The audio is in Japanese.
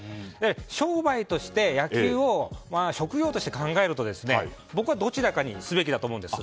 商売として野球を職業として考えると僕はどちらかにすべきだと思うんです。